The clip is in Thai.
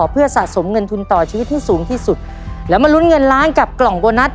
เพื่อสะสมเงินทุนต่อชีวิตที่สูงที่สุดแล้วมาลุ้นเงินล้านกับกล่องโบนัส